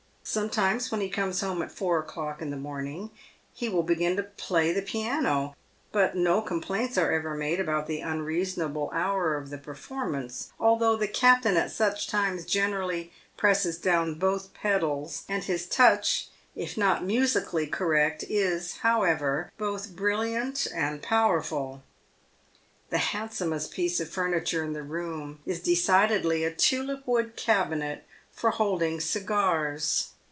Sometimes, when he comes home at four o'clock in the morning, he will begin to play the piano, but no complaints are ever made about the unreasonable hour of the performance, although the captain, at such times, generally presses down both pedals, and his touch, if not musically correct, is, however, both brilliant and powerful. The handsomest piece of furniture in the room is decidedly a tulip wood cabinet for holding cigars.